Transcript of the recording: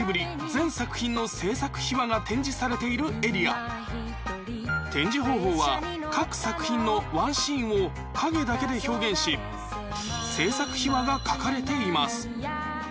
全作品の制作秘話が展示されているエリア展示方法は各作品のワンシーンを影だけで表現し制作秘話が書かれています